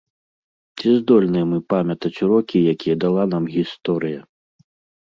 Ці здольныя мы памятаць урокі, якія дала нам гісторыя?